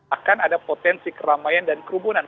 akan ada potensi keramaian dan kerumunan